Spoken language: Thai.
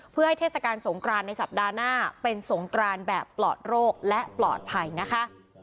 เพื่อให้เทศกาลสงกรานในสัปดาห์หน้าเป็นสงกรานแบบปลอดโรคและปลอดภัยนะคะ